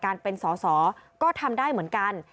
การเป็นสอสอก็ทำได้เหมือนกัน